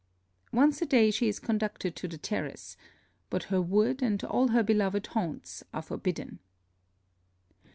_ Once a day she is conducted to the terrace; but her wood and all her beloved haunts are forbidden.